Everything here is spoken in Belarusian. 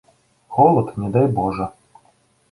Холад, не дай божа.